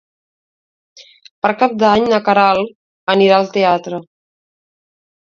Per Cap d'Any na Queralt anirà al teatre.